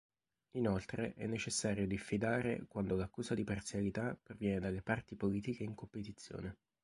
Inoltre, è necessario diffidare quando l'accusa di parzialità proviene dalle parti politiche in competizione.